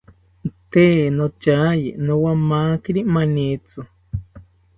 Tee nothaye nowamakiri manitzi